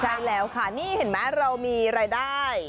ใช่แล้วค่ะนี่เห็นไหมเรามีรายได้